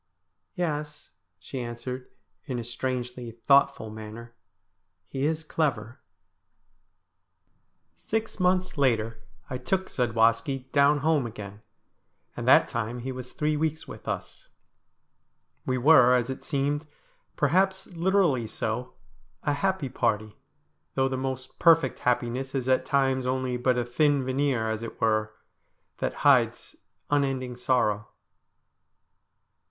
' Yes,' she answered in a strangely thoughtful manner, *he is clever,' 273 STORIES WEIRD AND WONDERFUL Six months later I took Zadwaski down home again, and that time he was three weeks with us. We were, as it seemed, perhaps literally so, a happy party, though the most perfect happiness is at times only but a thin veneer, as it were, that hides unending sorrow.